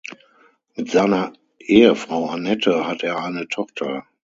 Mit seiner Ehefrau Annette hat er eine Tochter.